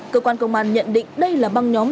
cơ quan công an nhận định đây là băng nhóm